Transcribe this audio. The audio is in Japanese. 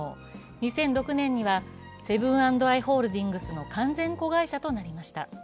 ２００６年にはセブン＆アイ・ホールディングスの完全子会社となりました。